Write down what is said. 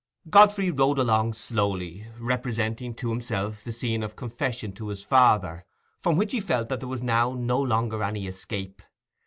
Godfrey rode along slowly, representing to himself the scene of confession to his father from which he felt that there was now no longer any escape.